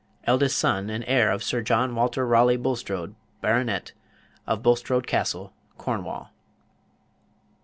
eldest son and heir of Sir John Walter Raleigh Bulstrode, Baronet, of Bulstrode Castle, Cornwall.